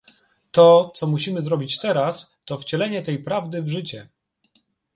To, co musimy zrobić teraz, to wcielenie tej prawdy w życie